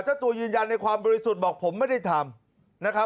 เจ้าตัวยืนยันในความบริสุทธิ์บอกผมไม่ได้ทำนะครับ